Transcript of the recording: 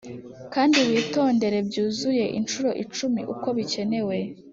kandi witondere byuzuye inshuro icumi uko bikenewe;